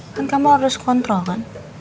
kan kamu harus kontrol kan